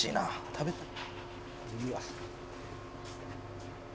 食べたい」